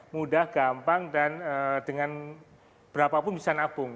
mudah gampang dan dengan berapa pun bisa nabung